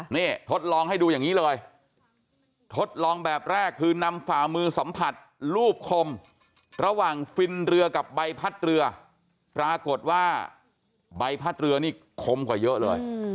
นี่ทดลองให้ดูอย่างนี้เลยทดลองแบบแรกคือนำฝ่ามือสัมผัสรูปคมระหว่างฟินเรือกับใบพัดเรือปรากฏว่าใบพัดเรือนี่คมกว่าเยอะเลย